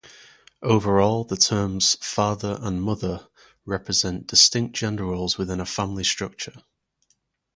Overall, the terms "father" and "mother" represent distinct gender roles within a family structure.